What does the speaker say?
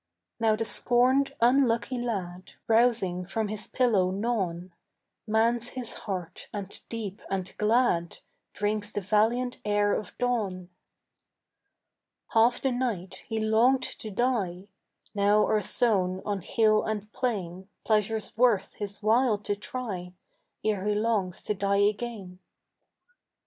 Now the scorned unlucky lad Rousing from his pillow gnawn Mans his heart and deep and glad Drinks the valiant air of dawn. Half the night he longed to die, Now are sown on hill and plain Pleasures worth his while to try Ere he longs to die again.